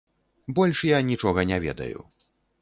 Больш я нічога не ведаю.